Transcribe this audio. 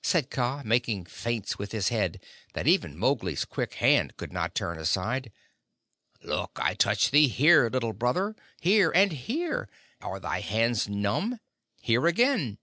said Kaa, making feints with his head that even Mowgli's quick hand could not turn aside. "Look! I touch thee here, Little Brother! Here, and here! Are thy hands numb? Here again!"